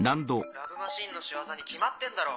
「ラブ・マシーン」の仕業に決まってんだろ。